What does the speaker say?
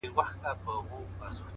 گوره را گوره وه شپوږمۍ ته گوره’